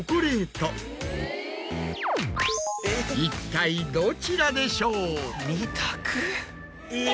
一体どちらでしょう？